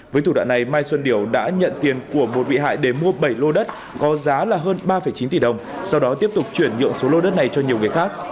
với thủ đoạn này mai xuân điểu đã nhận tiền của một bị hại để mua bảy lô đất có giá là hơn ba chín tỷ đồng sau đó tiếp tục chuyển nhượng số lô đất này cho nhiều người khác